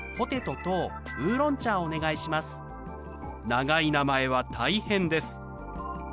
長い名前は大変です。